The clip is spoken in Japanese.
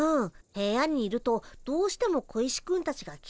部屋にいるとどうしても小石くんたちが気になっちゃうからね。